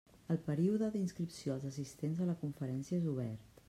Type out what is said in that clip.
El període d'inscripció als assistents a la conferència és obert.